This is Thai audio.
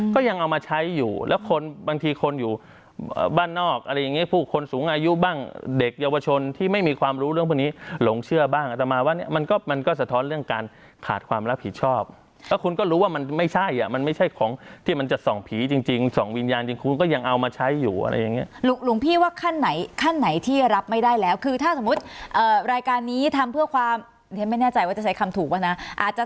ก็ยังเอามาใช้อยู่แล้วคนบางทีคนอยู่บ้านนอกอะไรอย่างเงี้ยผู้คนสูงอายุบ้างเด็กเยาวชนที่ไม่มีความรู้เรื่องพวกนี้หลงเชื่อบ้างแต่มาว่าเนี้ยมันก็มันก็สะท้อนเรื่องการขาดความรับผิดชอบแล้วคุณก็รู้ว่ามันไม่ใช่อ่ะมันไม่ใช่ของที่มันจะส่องผีจริงจริงส่องวิญญาณจริงคุณก็ยังเอามาใช้อยู่อะไรอย่างเงี้ยหลุงห